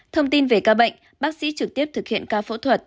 thông tin về ca bệnh bác sĩ trực tiếp thực hiện ca phẫu thuật